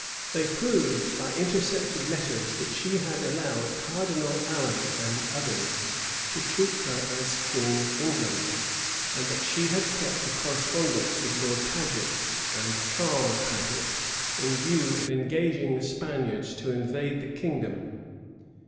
They proved, by intercepted letters, that she had allowed Cardinal Allen and others to treat her as queen of England; and that she had kept a correspondence with Lord Paget and Charles Paget, in view of engaging the Spaniards to invade the kingdom.